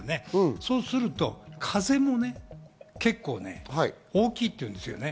そうすると風も結構大きいっていうんですよね。